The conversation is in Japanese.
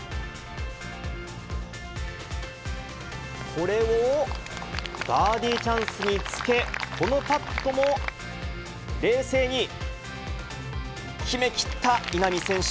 これをバーディーチャンスにつけ、このパットも冷静に決めきった稲見選手。